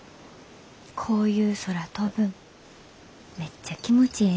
こういう空飛ぶんめっちゃ気持ちええねんで。